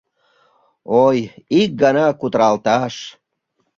Ой, ик гана кутыралташ.